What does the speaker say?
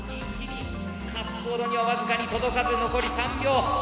滑走路には僅かに届かず残り３秒。